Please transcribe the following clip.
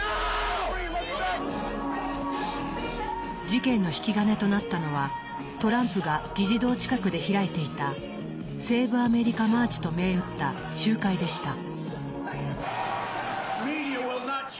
事件の引き金となったのはトランプが議事堂近くで開いていた「ＳＡＶＥＡＭＥＲＩＣＡＭＡＲＣＨ」と銘打った集会でした。